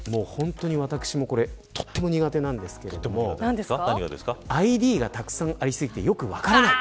私もとっても苦手なんですけどＩＤがたくさんありすぎてよく分からない。